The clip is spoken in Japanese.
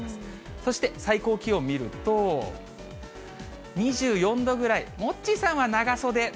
そして最高気温見ると、２４度ぐらい、モッチーさんは長袖。